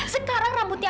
sekarang rambutnya kava